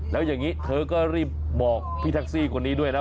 แล้วอย่างนี้เธอก็รีบบอกพี่แท็กซี่คนนี้ด้วยนะ